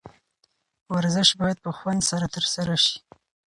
ورزش باید په خوند سره ترسره شي.